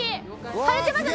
されてますよ。